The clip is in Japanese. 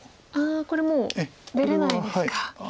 ああこれもう出れないですか。